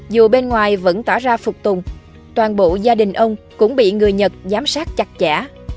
dù bên ngoài vẫn tỏ ra phục tùng toàn bộ gia đình ông cũng bị người nhật giám sát chặt chả